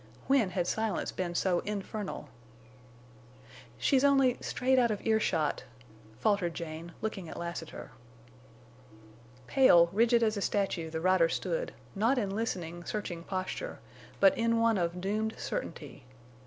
When had silence been so infernal? "She's—only—strayed—out—of earshot," faltered Jane, looking at Lassiter. Pale, rigid as a statue, the rider stood, not in listening, searching posture, but in one of doomed certainty.